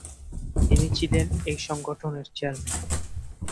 তিনি ছিলেন এই সংগঠনের চেয়ারম্যান।